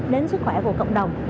đến sức khỏe của cộng đồng